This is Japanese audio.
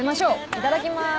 いただきます。